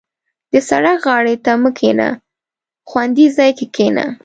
• د سړک غاړې ته مه کښېنه، خوندي ځای کې کښېنه.